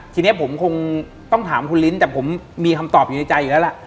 ทีนี้ผมคงต้องถามคุณลิ้นแต่ผมมีคำตอบอยู่ในใจอยู่แล้วล่ะ